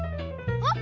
あっ！